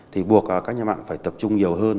thì buộc các nhà mạng phải tập trung nhiều hơn